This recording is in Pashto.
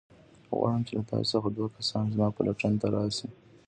غواړم چې له تاسو څخه دوه کسان زما پلټن ته راشئ.